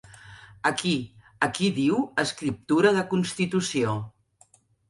Aquí, aquí diu escriptura de constitució.